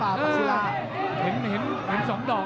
โอ้โหบรรยายเบนลำตัว